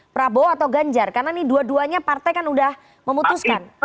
prabowo atau ganjar karena ini dua duanya partai kan sudah memutuskan